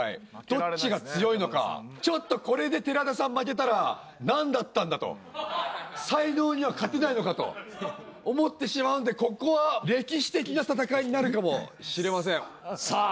どっちが強いのかちょっとこれで寺田さん負けたら何だったんだと才能には勝てないのかと思ってしまうんでここは歴史的な戦いになるかもしれませんさあ